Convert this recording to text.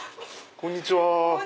こんにちは！